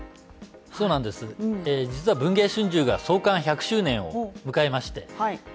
うん実は「文藝春秋」が創刊１００周年を迎えまして。